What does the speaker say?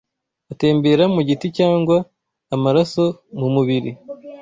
atembera mu giti cyangwa amaraso mu mubiri